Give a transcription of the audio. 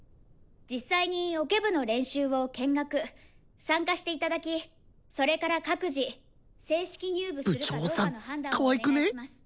実際にオケ部の練習を見学参加していただきそれから各自正式入部するかどうかの判断をお願いします。